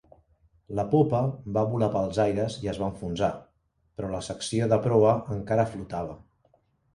La popa va volar pels aires i es va enfonsar, però la secció de proa encara flotava.